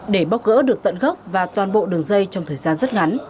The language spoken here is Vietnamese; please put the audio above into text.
để bóc gỡ được tận gốc và toàn bộ đường dây trong thời gian rất ngắn